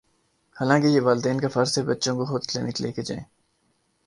حالانکہ یہ والدین کافرض ہے بچوں کو خودکلینک لےکرجائیں۔